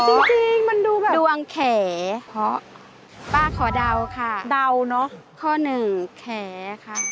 ถ้าไหนมันไม่เพาะจริงมันดูแบบดวงแขเพาะป้าขอเดาค่ะดาวเนอะข้อหนึ่งแขค่ะ